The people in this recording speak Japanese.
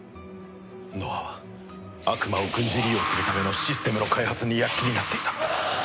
ノアは悪魔を軍事利用するためのシステムの開発に躍起になっていた。